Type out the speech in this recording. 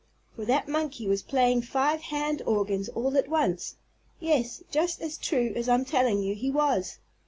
For that monkey was playing five hand organs all at once. Yes, just as true as I'm telling you, he was.